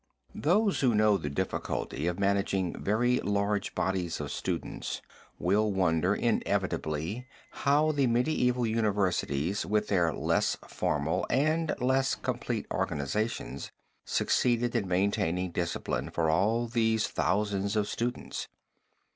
Those who know the difficulty of managing very large bodies of students will wonder inevitably, how the medieval universities, with their less formal and less complete organizations, succeeded in maintaining discipline for all these thousands of students.